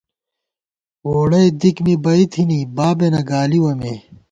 ووڑَئی دِک می بئ تھنی بابېنہ گالِوَہ مے